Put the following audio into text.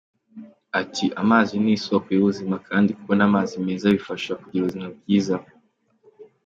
Ati ”Amazi ni isoko y’ubuzima, kandi kubona amazi meza bifasha kugira ubuzima bwiza”.